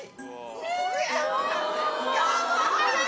かわいい！